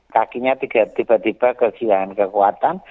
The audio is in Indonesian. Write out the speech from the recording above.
kakinya tidak tiba tiba kegilaan kekuatan